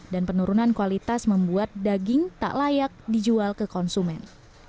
dan penurunan kualitas membuat daging tak layak dijual ke konsumen